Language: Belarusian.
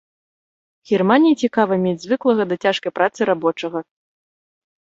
Германіі цікава мець звыклага да цяжкай працы рабочага.